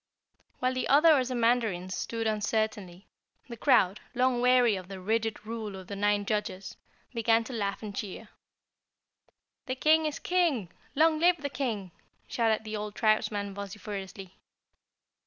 While the other Ozamandarins stood uncertainly, the crowd, long weary of the rigid rule of the nine judges, began to laugh and cheer. "The King is King! Long live the King!" shouted the old tribesman vociferously.